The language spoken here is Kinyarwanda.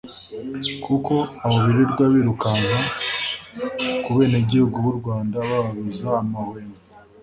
kuko abo birirwa birukanka ku benegihugu b’u Rwanda bababuza amahwemo